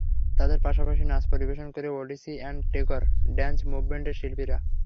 তাঁদের পাশাপাশি নাচ পরিবেশন করেন ওডিসি অ্যান্ড টেগর ডান্স মুভমেন্টের শিল্পীরা।